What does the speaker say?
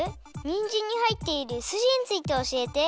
にんじんにはいっているすじについておしえて。